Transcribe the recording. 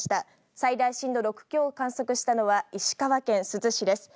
最大震度６強を観測したのは石川県珠洲市です。